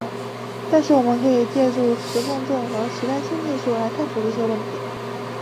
但是我们可以借助磁共振和其他新技术来探索这些问题。